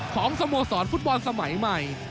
สโมสรฟุตบอลสมัยใหม่